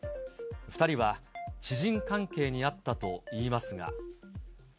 ２人は知人関係にあったといいますが。